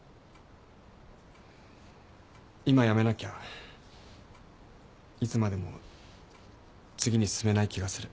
今やめなきゃいつまでも次に進めない気がする。